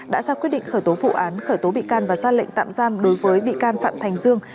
đã ra quyết định khởi tố vụ án khởi tố bị can và xác lệnh tạm giam đối với bị can phạm thành dương